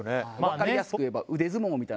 分かりやすく言えば。